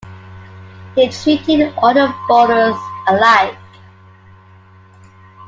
He treated all the bowlers alike.